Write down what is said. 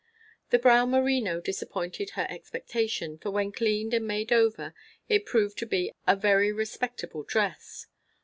The brown merino disappointed her expectation; for when cleaned and made over it proved to be a very respectable dress.